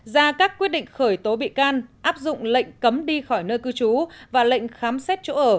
ra các quyết định khởi tố bị can áp dụng lệnh cấm đi khỏi nơi cư trú và lệnh khám xét chỗ ở